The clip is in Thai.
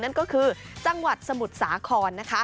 นั่นก็คือจังหวัดสมุทรสาครนะคะ